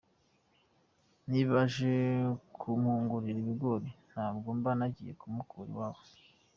Niba aje kumpungurira ibigori ntabwo mba nagiye kumukura iwabo.